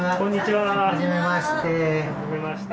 はじめまして。